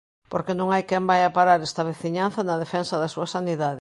Porque non hai quen vaia parar esta veciñanza na defensa da súa sanidade.